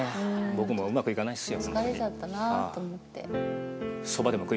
僕もうまくいかないっすよ。